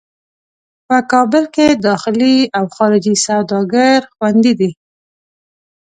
په کابل کې داخلي او خارجي سوداګر خوندي دي.